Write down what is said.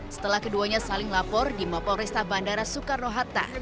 setelah keduanya saling lapor di mapol resta bandara soekarno hatta